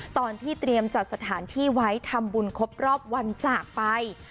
ตอนที่เตรียมจัดสถานที่ไว้ทำบุญครบรอบวันจากไป